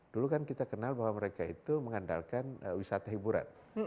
dulu kan kita kenal bahwa mereka itu mengandalkan wisata hiburan